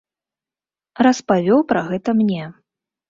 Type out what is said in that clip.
Распавёў пра гэта мне.